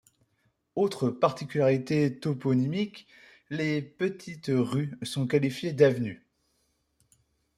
Autre particularité toponymique, les petites rues sont qualifiées d'avenue.